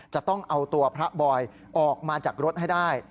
จะต้องเอาตัวพระบอยออกมาจากรถให้ได้